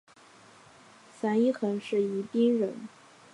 樊一蘅是宜宾人。